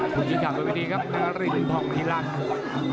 คุณชิคกี้พายไปดีครับนาฬินภอมธิรัตน์